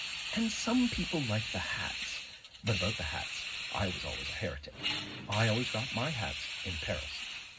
And some people like the hats; but about the hats I was always a heretic; I always got my hats in Paris.